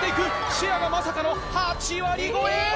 シェアがまさかの８割超え。